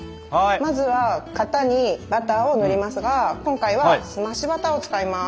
まずは型にバターを塗りますが今回は「澄ましバター」を使います。